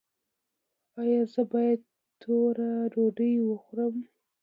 ایا زه باید توره ډوډۍ وخورم؟